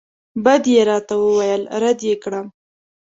بد یې راته وویل رد یې کړم.